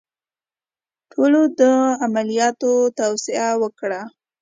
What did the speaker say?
ټولو د عملیات توصیه وکړه.